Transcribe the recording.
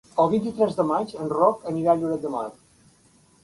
El vint-i-tres de maig en Roc anirà a Lloret de Mar.